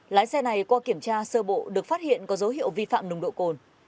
lái xe này qua kiểm tra sơ bộ được phát hiện có dấu hiệu vi phạm nồng độ cồn